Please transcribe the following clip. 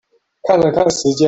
看了看時間